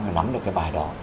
nó nắm được cái bài đó